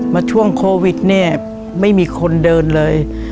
มาช่วงโควิดเนี่ยไม่มีคนเดินเลย